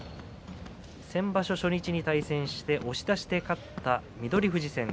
先場所初日に対戦して押し出しで勝った翠富士戦。